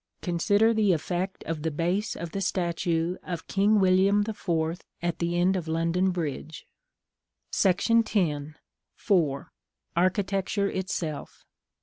Consider the effect of the base of the statue of King William IV. at the end of London Bridge. § X. 4. Architecture itself.